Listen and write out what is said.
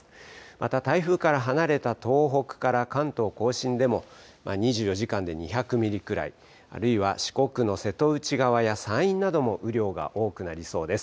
また台風から離れた東北から関東甲信でも２４時間で２００ミリくらい、あるいは四国の瀬戸内側や山陰なども雨量が多くなりそうです。